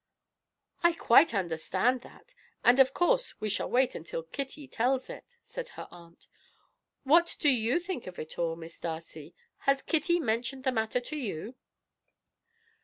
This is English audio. "I quite understand that, and of course we shall wait until Kitty tells us," said her aunt. "What do you think of it all, Miss Darcy? Has Kitty mentioned the matter to you?"